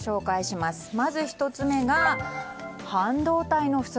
まず１つ目が、半導体の不足。